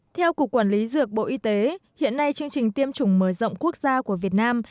theo cục quản lý dược bộ y tế hiện nay chương trình tiêm chủng mở rộng quốc gia của việt nam